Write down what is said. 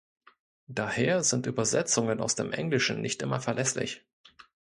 Daher sind Übersetzungen aus dem Englischen nicht immer verlässlich.